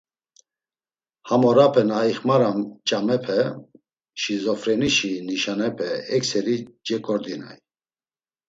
Ham orape na ixmaram ç̌amepe, şizofrenişi nişanepe ekseri ceǩordinay.